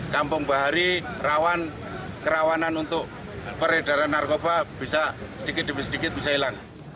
kampung bahari kerawanan untuk peredaran narkoba bisa sedikit demi sedikit bisa hilang